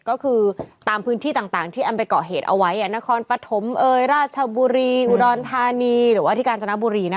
ก็คือตามพื้นที่ต่างที่แอมไปเกาะเหตุเอาไว้นครปฐมราชบุรีอุดรธานีหรือว่าที่กาญจนบุรี